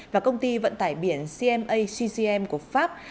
và công ty vận tải biển cma ccm của pháp